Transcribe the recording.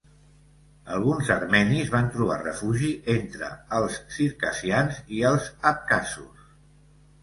Alguns armenis van trobar refugi entre els circassians i els abkhazos.